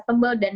dan dan dan dan